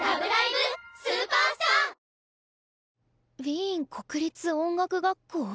ウィーン国立音楽学校？